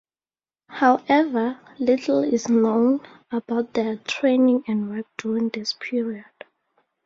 However, little is known about their training and work during this period.